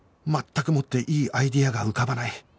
全くもっていいアイデアが浮かばない